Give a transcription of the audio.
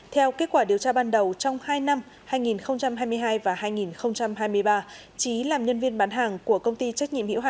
theo kết quả điều tra ban đầu trong hai năm hai nghìn hai mươi hai và hai nghìn hai mươi ba trí làm nhân viên bán hàng của công ty trách nhiệm hữu hạn một trăm chín mươi hai